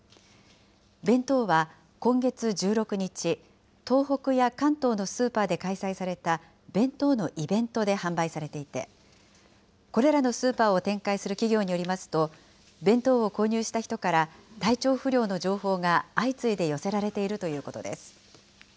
弁当は今月１６日、東北や関東のスーパーで開催された弁当のイベントで販売されていて、これらのスーパーを展開する企業によりますと、弁当を購入した人から体調不良の情報が相次いで寄せられているということです。